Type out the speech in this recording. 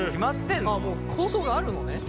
もう構想があるのね。